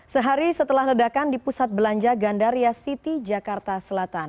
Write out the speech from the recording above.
sehari setelah ledakan di pusat belanja gandaria city jakarta selatan